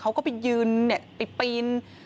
เขาไปยืนไปปีน